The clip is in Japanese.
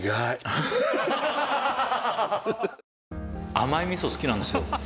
「甘い味噌好きなんですよ」